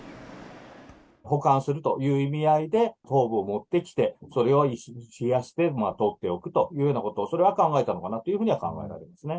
保管するという意味合いで頭部を持ってきて、それを冷やしてとっておくということ、それは考えたのかなというふうには考えられますね。